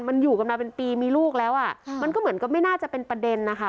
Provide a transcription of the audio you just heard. มันอยู่กันมาเป็นปีมีลูกแล้วอ่ะมันก็เหมือนก็ไม่น่าจะเป็นประเด็นนะคะ